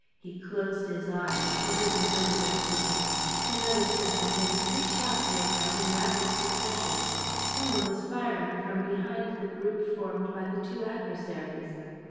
He closed his eyes, uttering Élisabeth's name. Another second; and three shots rang out in rapid succession. Some one was firing from behind the group formed by the two adversaries.